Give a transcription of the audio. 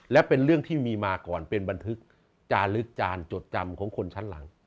และเป็นเรื่องที่มีมาก่อนเป็นบันทึกจาลึกจานจดจำของคนชั้นหลัง